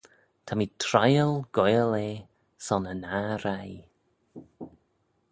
Ta mee tryal goaill eh son y nah reih.